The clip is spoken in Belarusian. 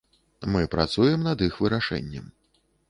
Мы працуем над іх вырашэннем.